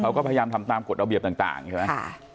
เขาก็พยายามทำตามกฎระเบียบต่างใช่ไหม